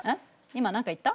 今何か言った？